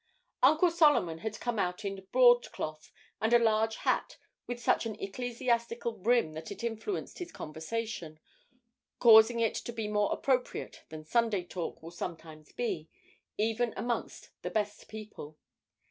Uncle Solomon had come out in broadcloth, and a large hat with such an ecclesiastical brim that it influenced his conversation, causing it to be more appropriate than Sunday talk will sometimes be, even amongst the best people.